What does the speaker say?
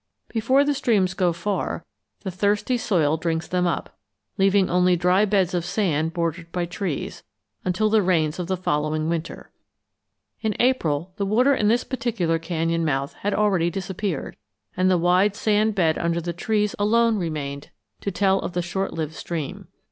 Before the streams go far, the thirsty soil drinks them up, leaving only dry beds of sand bordered by trees, until the rains of the following winter. In April, the water in this particular canyon mouth had already disappeared, and the wide sand bed under the trees alone remained to tell of the short lived stream.